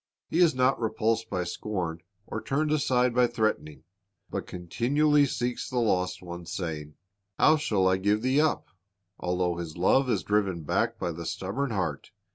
"^ He is not repulsed by scorn or turned aside by threatening, but continually seeks the lost ones, saying, "How shall I give thee up?"* Although His love is driven back by the stubborn heart.